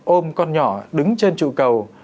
ôm con nhỏ đứng trên trụ cầu